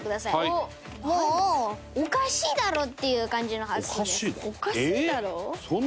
もうおかしいだろ！っていう感じの発想です。